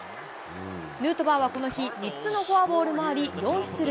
ヌートバーはこの日、３つのフォアボールもあり、４出塁。